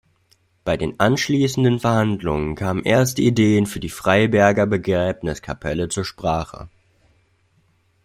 Bei den anschließenden Verhandlungen kamen erste Ideen für die Freiberger Begräbniskapelle zur Sprache.